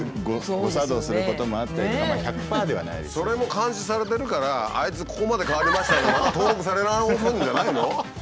それも監視されてるからあいつここまで変わりましたよって登録され直すんじゃないの？